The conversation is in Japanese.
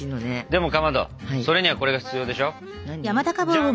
でもかまどそれにはこれが必要でしょ？じゃん！